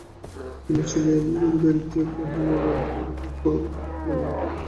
তিনি ছিলেন ইমেরেন্তিয়া পোহেম এবং রেনহোল্ড রোকার কন্যা।